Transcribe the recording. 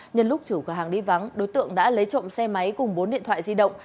nhân lúc chủ cửa hàng đi vắng đối tượng đã lấy trộm xe máy cùng bốn điện thoại di động